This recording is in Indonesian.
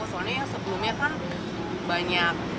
soalnya yang sebelumnya kan banyak